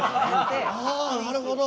はあなるほど。